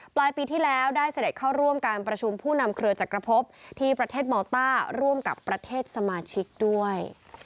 ปลายปีที่แล้วได้เสด็จเข้าร่วมการประชุมผู้นำเครือจักรพบที่ประเทศเมาต้าร่วมกับประเทศสมาชิกด้วย